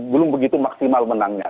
belum begitu maksimal menangnya